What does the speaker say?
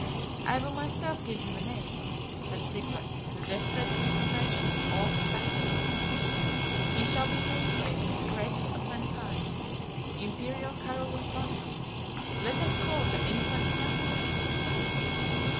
"I will myself give him a name," said Sigvat, with a desperate concentration of all his faculties; "he shall be namesake of the greatest of mankind, imperial Carolus Magnus; let us call the infant Magnus!"